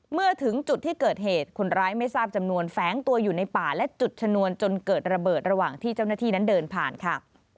เมื่อถึงจุดที่เกิดเหตุคนร้ายไม่ทราบจำนวนแฝงตัวอยู่ในป่าและจุดชนวนจนเกิดระเบิดระหว่างที่เจ้าหน้าที่นั้นเดินผ่านค่ะ